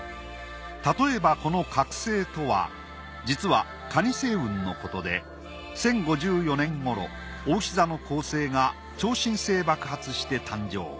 例えばこの客星とは実はかに星雲のことで１０５４年頃おうし座の恒星が超新星爆発して誕生。